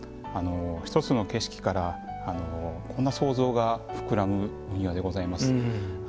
一つの景色からこんな想像が膨らむお庭でございます。